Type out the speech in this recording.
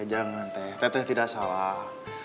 jangan teh teteh tidak salah